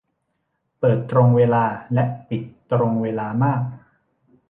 เปิดตรงเวลาและปิดตรงเวลามาก